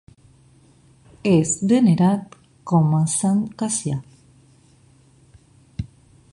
És venerat com a Sant Cassià.